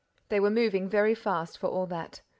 They were moving very fast, for all that.